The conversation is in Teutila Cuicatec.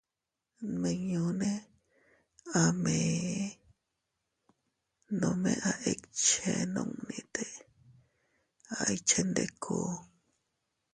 Nminñune a mee, nome a ikche, nunnitene a ikchendikuu.